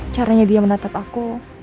caranya dia menatap aku